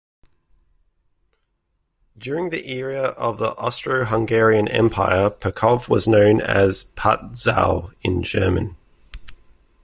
During the era of the Austro-Hungarian Empire Pacov was known as Patzau in German.